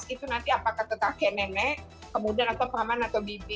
itu nanti apakah tetap kayak nenek kemudian atau paman atau bibi